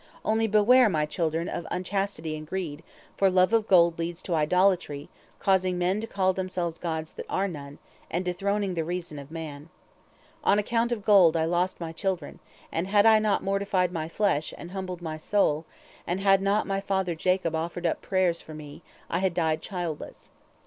Only beware, my children, of unchastity and greed, for love of gold leads to idolatry, causing men to call them gods that are none, and dethroning the reason of man. On account of gold I lost my children, and had I not mortified my flesh, and humbled my soul, and had not my father Jacob offered up prayers for me, I had died childless.